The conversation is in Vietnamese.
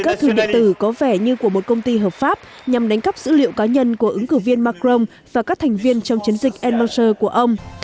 đã sử dụng thủ đoạn gửi các thư địa tử có vẻ như của một công ty hợp pháp nhằm đánh cắp dữ liệu cá nhân của ứng cử viên macron và các thành viên trong chiến dịch edmonton của ông